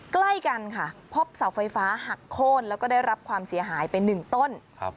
ใกล้กันค่ะพบเสาไฟฟ้าหักโค้นแล้วก็ได้รับความเสียหายไป๑ต้น